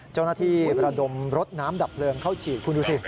เจ้าหน้าที่ระดมรถน้ำดับเพลิงเข้าฉีดคุณดูสิ